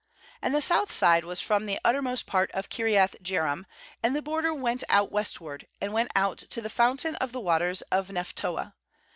18And the south side was from the uttermost part of Kiriath jearim, and the border went out westward, and went out to the fountain of the waters of Nephtoah.